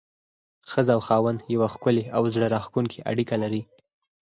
ښځه او خاوند يوه ښکلي او زړه راښکونکي اړيکه لري.